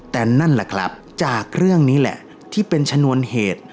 แต่นั่นแหละครับจากเรื่องนี้แหละที่เป็นชนวนเหตุ